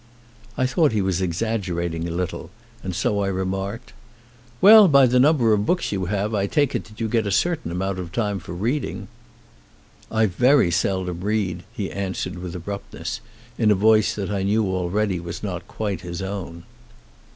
I thought he was exaggerating a little, so I remarked : "Well, by the number of books you have I take it that you get a certain amount of time for reading." "I very seldom read," he answered with abrupt ness, in a voice that I knew already was not quite his own.